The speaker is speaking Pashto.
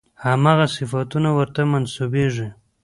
همغه صفتونه ورته منسوبېږي.